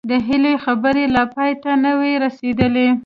د هيلې خبرې لا پای ته نه وې رسېدلې